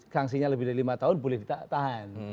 sanksinya lebih dari lima tahun boleh ditahan